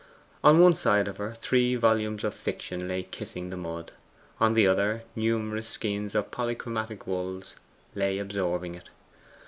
On one side of her, three volumes of fiction lay kissing the mud; on the other numerous skeins of polychromatic wools lay absorbing it.